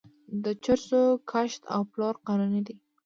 د چرسو کښت او پلور قانوني دی.